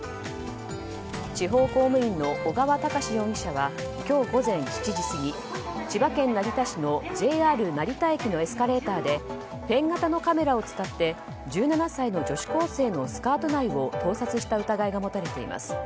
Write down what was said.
地方公務員の小川隆史容疑者は今日午前７時過ぎ千葉県成田市のＪＲ成田駅のエスカレーターでペン型のカメラを使って１７歳の女子高生のスカート内を盗撮した疑いが持たれています。